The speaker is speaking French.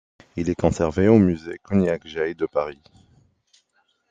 Il est conservé au musée Cognacq-Jay de Paris.